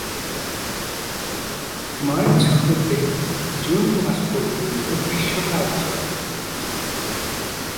March হতে June মাস পর্যন্ত গ্রীষ্মকাল চলে।